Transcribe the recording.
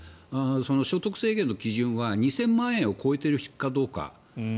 所得制限の基準は２０００万円を超えているかどうか。